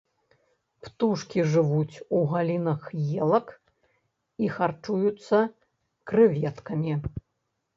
Птушкі жывуць у галінах елак і харчуюцца крэветкамі.